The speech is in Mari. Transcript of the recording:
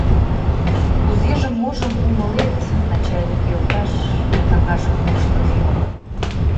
Кузежым-можым умылет, начальник йолташ, — ой-каҥашым пуыш Трофимов.